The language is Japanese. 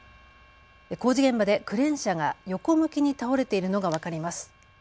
工事現場でクレーン車が横向きに倒れているのが分かります。